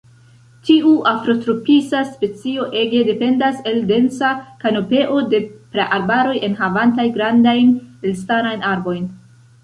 Tiu afrotropisa specio ege dependas el densa kanopeo de praarbaroj enhavantaj grandajn elstarajn arbojn.